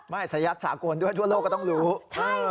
ไม่สยัดสากลด้วยทั่วโลกก็ต้องรู้ใช่ค่ะ